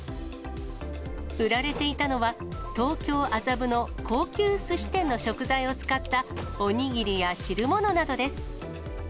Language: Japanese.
売られていたのは、東京・麻布の高級すし店の食材を使った、お握りや汁物などです。